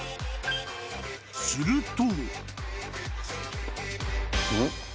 ［すると］